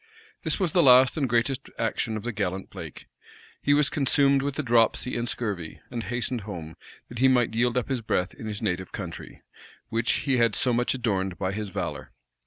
This was the last and greatest action of the gallant Blake. He was consumed with a dropsy and scurvy, and hastened home, that he might yield up his breath in his native country, which he had so much adorned by his valor.